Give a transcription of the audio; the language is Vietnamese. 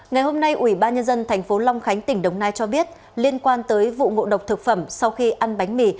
ngày hôm nay ủy ban nhân dân tp long khánh tỉnh đồng nai cho biết liên quan tới vụ ngộ độc thực phẩm sau khi ăn bánh mì